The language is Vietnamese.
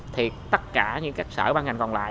thì tất cả những cái sở ban ngành còn lại